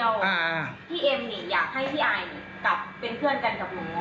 พี่เอ็มเนี่ยอยากให้พี่ไอกลับเป็นเพื่อนกันกับหนู